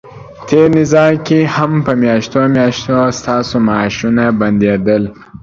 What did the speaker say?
تېر نظام کې هم په میاشتو میاشتو ستاسو معاشونه بندیدل،